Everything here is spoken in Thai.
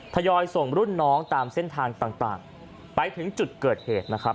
ทยอยส่งรุ่นน้องตามเส้นทางต่างไปถึงจุดเกิดเหตุนะครับ